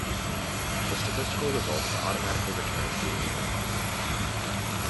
The statistical results are automatically returned via email.